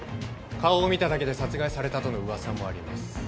顔を見ただけで殺害されたとの噂もあります。